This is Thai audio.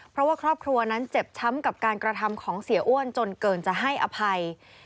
เพราะว่าครอบครัวนั้นเจ็บช้ำกับการกระทำของเสียอ้วนจนเกินจะให้อภัย